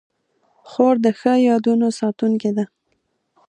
خور د ښو یادونو ساتونکې ده.